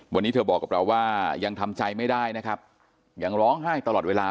วันนี้เธอบอกกับเราว่ายังทำใจไม่ได้นะครับยังร้องไห้ตลอดเวลา